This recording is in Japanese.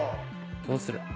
どうする？